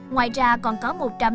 ngoài ra còn có